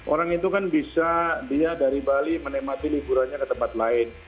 orang itu kan bisa dia dari bali menikmati liburannya ke tempat lain